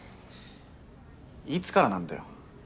いつからなんだよ